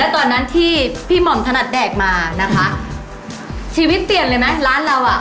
ตอนนั้นที่พี่หม่อมถนัดแดกมานะคะชีวิตเปลี่ยนเลยไหมร้านเราอ่ะ